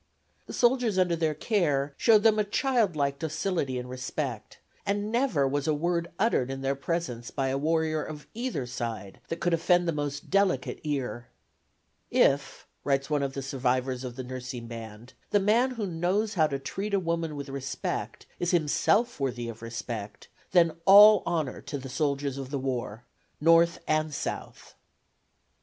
The soldiers under their care showed them a child like docility and respect, and never was a word uttered in their presence by a warrior of either side that could offend the most delicate ear. "If," writes one of the survivors of the nursing band, "the man who knows how to treat a woman with respect is himself worthy of respect, then all honor to the soldiers of the war, North and South."